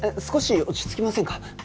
少し落ち着きませんか？